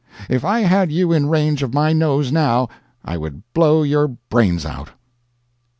If I had you in range of my nose now I would blow your brains out.